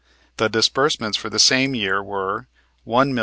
The disbursements for the same year were, $1,430,192.